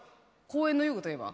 公園の遊具といえば？